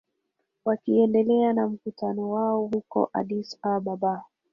wakiendelea na mkutano wao huko addis ababa